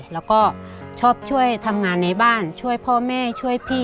แล้วก็ชอบช่วยทำงานในบ้านช่วยพ่อแม่ช่วยพี่